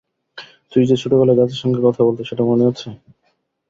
তুই যে ছোটবেলায় গাছের সঙ্গে কথা বলতি, সেটা মনে আছে?